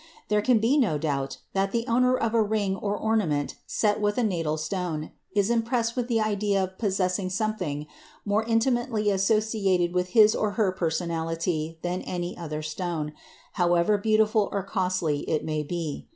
There can be no doubt that the owner of a ring or ornament set with a natal stone is impressed with the idea of possessing something more intimately associated with his or her personality than any other stone, however beautiful or costly it may be.